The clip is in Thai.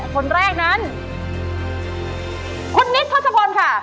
คนแรกนั้นคุณนิดทศพลค่ะ